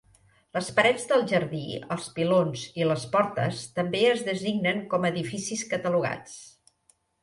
Les parets del jardí, els pilons i les portes també es designen com a edificis catalogats.